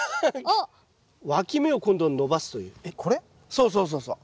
そうそうそうそう。